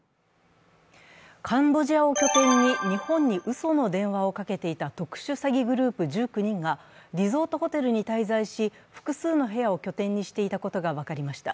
カンボジアを拠点に日本にうその電話をかけていた特殊詐欺グループ１９人がリゾートホテルに滞在し、複数の部屋を拠点にしていたことが分かりました。